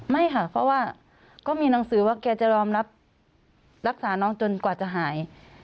ไม่ค่ะเพราะว่าก็มีหนังสือว่าแกจะรอรักษาน้องจนกว่าจะหาย